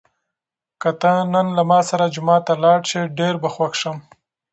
که ته نن له ما سره جومات ته لاړ شې، ډېر به خوښ شم.